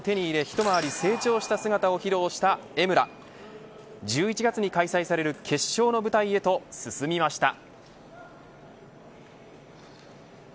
一回り成長した姿を披露した江村１１月に開催される決勝の舞台へと進みました。